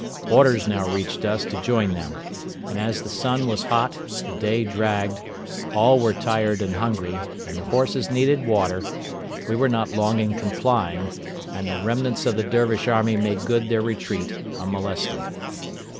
Orders now reached us to join them, and as the sun was hot, the day dragged, all were tired and hungry, and the horses needed water, we were not long in complying, and the remnants of the Dervish army made good their retreat unmolested.